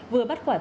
vừa bắt quả tang